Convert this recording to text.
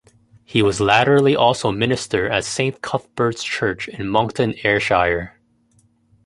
He was latterly also minister at Saint Cuthbert's Church in Monkton, Ayrshire.